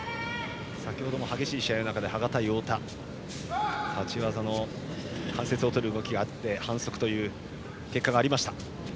先程の激しい試合の中で羽賀対太田立ち技の関節を取る動きがあって反則という結果がありました。